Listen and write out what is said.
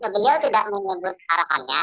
beliau tidak menyebut arahannya